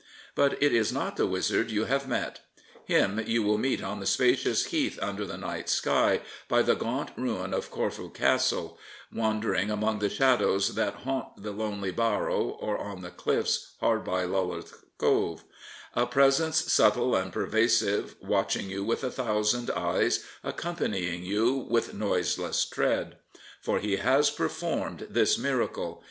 But it is not the wizard you have met. Him you will meet on the spacious heath under the night sky, by the gaunt ruin of Corfe Castle, wandering among the shadows that haunt the lonely barrow or on the cliffs hard by Lulworth Cove — a presence subtle and pervasive, watching you with a thousand eyes, accompanying you with noise less tread. For he has performed this miracle.